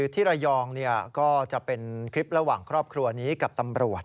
ที่ระยองก็จะเป็นคลิประหว่างครอบครัวนี้กับตำรวจ